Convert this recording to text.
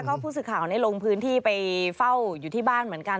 ก็ผู้สื่อข่าวลงพื้นที่ไปเฝ้าอยู่ที่บ้านเหมือนกัน